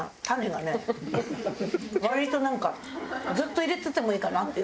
割となんかずっと入れててもいいかなって。